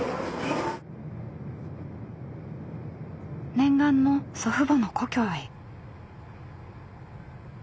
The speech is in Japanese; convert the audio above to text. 念願の祖父母の故郷へ。